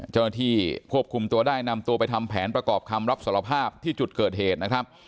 เจ้าหน้าที่ควบคุมตัวได้นำตัวไปทำแผนประกอบคำรับสารภาพที่จุดเกิดเหตุนะครับ